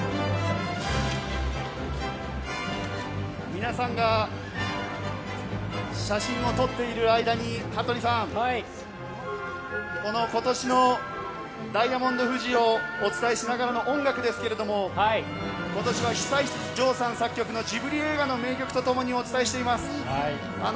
皆さんが写真を撮っている間に羽鳥さん、今年のダイヤモンド富士をお伝えしながらの音楽ですけれども今年は久石譲さん作曲のジブリ映画の名曲とともにお伝えしています。